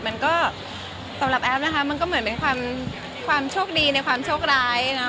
มันก็สำหรับแอฟนะคะมันก็เหมือนเป็นความโชคดีในความโชคร้ายเนอะ